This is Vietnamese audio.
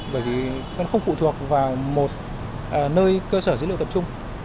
bởi vì nó không phụ thuộc vào một nơi cơ sở dữ liệu tập trung